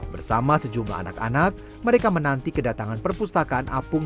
bersama sejumlah anak anak mereka menanti kedatangan perpustakaan apung